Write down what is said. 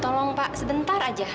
tolong pak sebentar aja